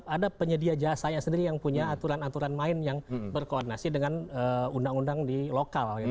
ada penyedia jasanya sendiri yang punya aturan aturan main yang berkoordinasi dengan undang undang di lokal